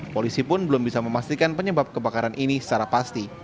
polisi pun belum bisa memastikan penyebab kebakaran ini secara pasti